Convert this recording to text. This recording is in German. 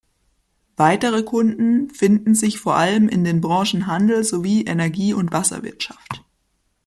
Weitere Kunden finden sich vor allem in den Branchen Handel sowie Energie- und Wasserwirtschaft.